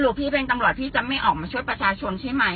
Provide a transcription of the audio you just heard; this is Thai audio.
พี่เป็นตำรวจพี่จะไม่ออกมาช่วยประชาชนใช่ไหม